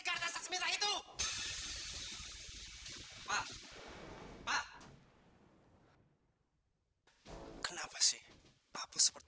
kamu kena apa sih pat